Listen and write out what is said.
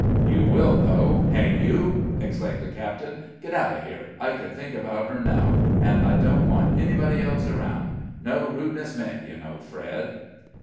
"You will, though, hang you!" exclaimed the captain. "Get out of here! I can think about her now, and I don't want anybody else around. No rudeness meant, you know, Fred."